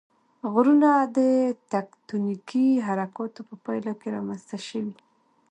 غرونه د تکتونیکي حرکاتو په پایله کې رامنځته شوي.